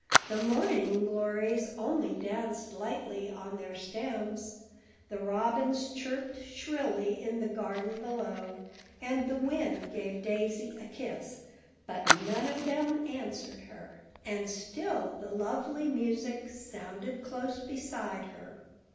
The morning glories only danced lightly on their stems, the robins chirped shrilly in the garden below, and the wind gave Daisy a kiss; but none of them answered her, and still the lovely music sounded close beside her.